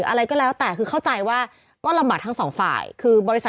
ทำงานครบ๒๐ปีได้เงินชดเฉยเลิกจ้างไม่น้อยกว่า๔๐๐วัน